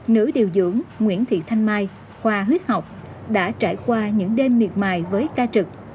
nữ điều dưỡng nguyễn thị thanh mai khoa huyết học đã trải qua những đêm miệt mài với ca trực